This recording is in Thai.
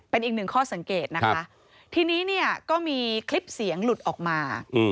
เป็นอีกหนึ่งข้อสังเกตนะคะทีนี้เนี่ยก็มีคลิปเสียงหลุดออกมา